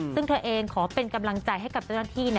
ซึ่งเธอเองขอเป็นกำลังใจให้กับเจ้าหน้าที่